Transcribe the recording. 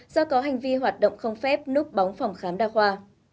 do có hành vi hoạt động không phép núp bóng phòng khám đa khoa